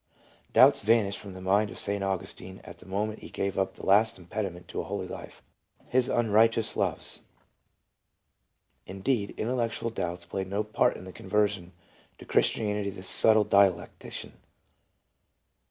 Doubts vanished from the mind of St. Augustine at the moment he gave up the last impediment to a holy life : a his unrighteous loves. Indeed, intellectual doubts played no part in the conversion to Christianity of this subtle dialecti cian.